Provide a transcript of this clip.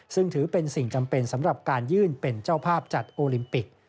ซึ่งถือเป็นสิ่งจำเป็นสำหรับการยื่นเป็นเจ้าภาพจัดโอลิมปิก